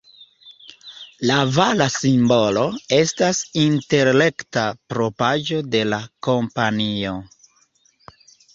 La vara simbolo estas intelekta propraĵo de la kompanio.